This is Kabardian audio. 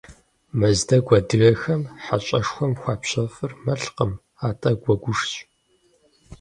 Мэздэгу адыгэхэм хьэщӏэшхуэм хуапщэфӏыр мэлкъым, атӏэ гуэгушщ.